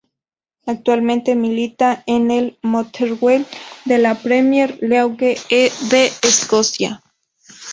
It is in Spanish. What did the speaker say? Actualmente milita en el Motherwell de la Premier League de Escocia.